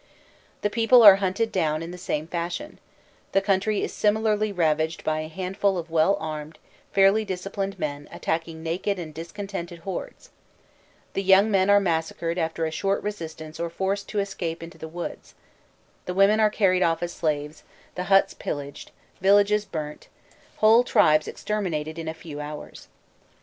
The people are hunted down in the same fashion; the country is similarly ravaged by a handful of well armed, fairly disciplined men attacking naked and disconnected hordes, the young men are massacred after a short resistance or forced to escape into the woods, the women are carried off as slaves, the huts pillaged, villages burnt, whole tribes exterminated in a few hours.